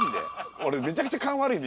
俺めちゃくちゃ勘悪いね